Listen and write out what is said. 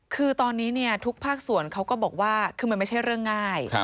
คือตอนนี้ทุกภาคส่วนเขาก็บอกว่าคือมันไม่ใช่เรื่องง่าย